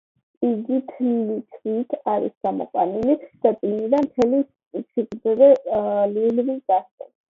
იგი თლილი ქვით არის გამოყვანილი და წინიდან, მთელ სიგრძეზე, ლილვი გასდევს.